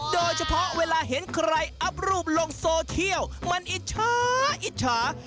โดยเฉพาะเวลาเห็นใครอัพรูปลงโซเทียลมันอิจฉา